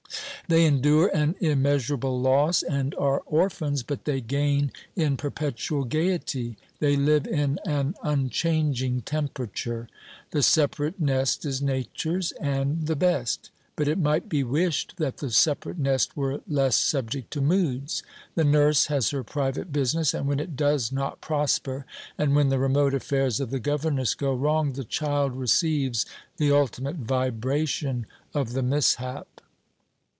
They endure an immeasurable loss, and are orphans, but they gain in perpetual gaiety; they live in an unchanging temperature. The separate nest is nature's, and the best; but it might be wished that the separate nest were less subject to moods. The nurse has her private business, and when it does not prosper, and when the remote affairs of the governess go wrong, the child receives the ultimate vibration of the mishap.